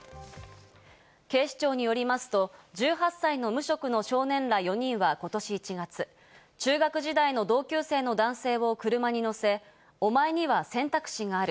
警視庁によりますと１８歳の無職の少年ら４人は今年１月、中学時代の同級生の男性を車に乗せ、お前には選択肢がある。